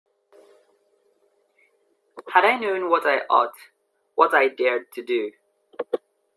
Had I known what I ought, what I dared to do!